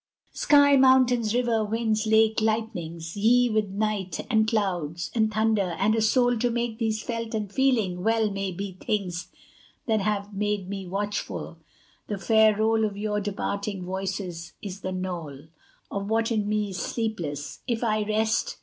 Sky, mountains, river, winds, lake, lightnings! ye, With night, and clouds, and thunder, and a soul To make these felt and feeling, well may be Things that have made me watchful; the far roll Of your departing voices is the knoll Of what in me is sleepless, if I rest.